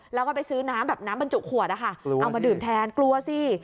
แล้วก็ไปซื้อน้ำแบบน้ำบรรจุขวดนะคะเอามาดื่มแทนกลัวสิ